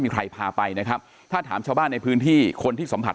มีใครพาไปนะครับถ้าถามชาวบ้านในพื้นที่คนที่สัมผัส